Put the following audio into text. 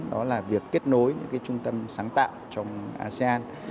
đó là việc kết nối những trung tâm sáng tạo trong asean